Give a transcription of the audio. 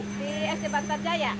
di sd batarga ya